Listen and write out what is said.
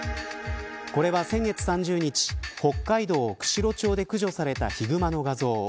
これは先月３０日北海道釧路町で駆除されたヒグマの画像。